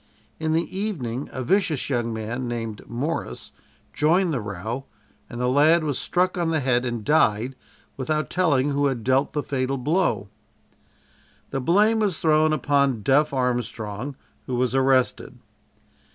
In the evening a vicious young man, named Morris, joined the row and the lad was struck on the head and died without telling who had dealt the fatal blow. The blame was thrown upon "Duff" Armstrong, who was arrested.